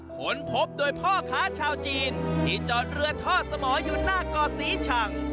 ค้นพบโดยพ่อค้าชาวจีนที่จอดเรือทอดสมออยู่หน้าก่อศรีชัง